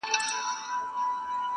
دي خو پر هغوی باندي -